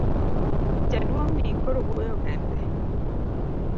Jaduong' ni koro wuoyo kende.